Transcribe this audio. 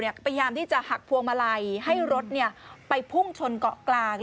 พยายามที่จะหักพวงมาลัยให้รถไปพุ่งชนเกาะกลาง